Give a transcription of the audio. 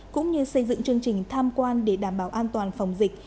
cũng như xây dựng chương trình tham quan để đảm bảo an toàn phòng dịch